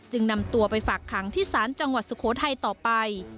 นำตัวไปฝากขังที่ศาลจังหวัดสุโขทัยต่อไป